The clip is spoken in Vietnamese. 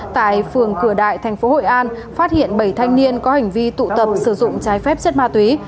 tại phường cửa đại tp hội an phát hiện bảy thanh niên có hành vi tụ tập sử dụng trái phép chất ma túy